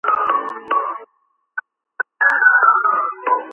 ბერნდ ჰაინრიხი ქალაქ შტუტგარტში დაიბადა.